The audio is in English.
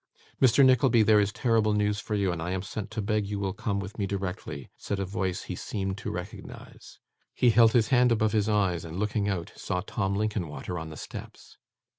'Mr. Nickleby, there is terrible news for you, and I am sent to beg you will come with me directly,' said a voice he seemed to recognise. He held his hand above his eyes, and, looking out, saw Tim Linkinwater on the steps.